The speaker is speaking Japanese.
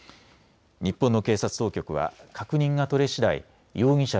日本の警察当局は確認が取れしだい容疑者